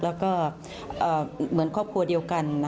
แล้วก็เหมือนครอบครัวเดียวกัน